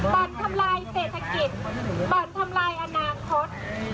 บ่อนทำลายเศรษฐกิจบ่อนทำลายอนาคต